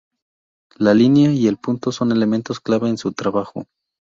La línea y el punto son elementos clave en su trabajo.